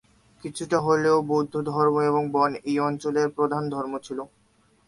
কিছুটা হলেও বৌদ্ধ ধর্ম এবং বন এই অঞ্চলের প্রধান ধর্ম ছিল।